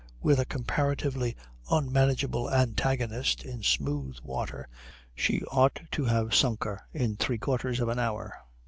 With a comparatively unmanageable antagonist, in smooth water, she ought to have sunk her in three quarters of an hour.